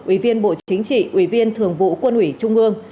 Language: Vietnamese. ủy viên bộ chính trị ủy viên thường vụ quân ủy trung ương